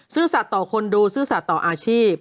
สัตว์ต่อคนดูซื่อสัตว์ต่ออาชีพ